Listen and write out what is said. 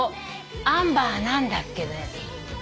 アンバーなんだっけね。